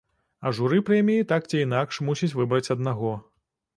А журы прэміі так ці інакш мусіць выбраць аднаго.